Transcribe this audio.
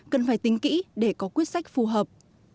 cần phải tính kỹ để có quyết sách phù hợp